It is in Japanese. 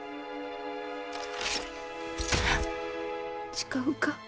誓うか？